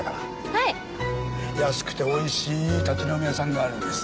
はい！安くて美味しい立ち飲み屋さんがあるんです。